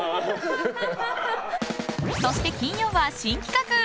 そして金曜は、新企画！